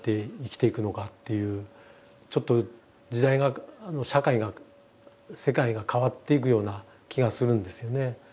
ちょっと時代が社会が世界が変わっていくような気がするんですよね。